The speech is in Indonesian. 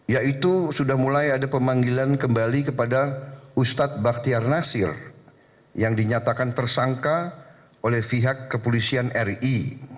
yaitu sudah mulai ada pemanggilan kembali kepada ustadz baktiar nasir yang dinyatakan tersangka oleh pihak kepolisian ri